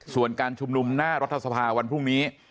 ส่วนการชุมนุมหน้ารัฐสภาวันพรุ่งนี้